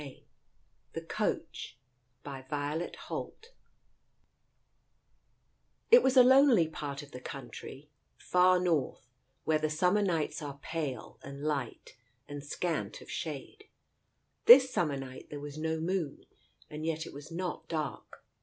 IC Digitized by Google THE COACH It was a lonely part of the country, far north, where the summer nights are pale and light and scant of shade. This summer night there was no moon, and yet it was not dark.